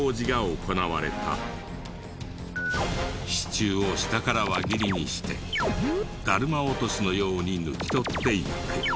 支柱を下から輪切りにしてダルマ落としのように抜き取っていく。